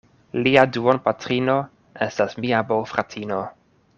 Lia duonpatrino estas mia bofratino.